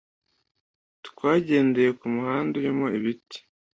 Twagendeye kumuhanda urimo ibiti.